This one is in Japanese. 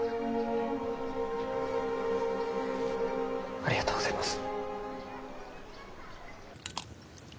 ありがとうございます。